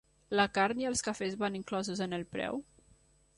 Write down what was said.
La carn i els cafès van inclosos en el preu?